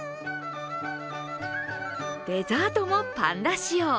デザートもパンダ仕様。